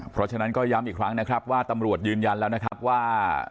เพราะฉะนั้นก็ย้ำอีกครั้งนะครับว่าตำรวจยืนยันแล้วนะครับว่า